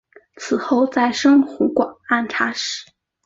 此后再升湖广按察使。